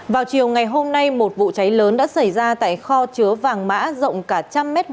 vào chiều ngày hôm nay một vụ cháy lớn đã xảy ra tại kho chứa vàng mã rộng cả trăm m hai